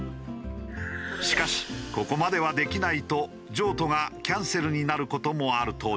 しかしここまではできないと譲渡がキャンセルになる事もあるという。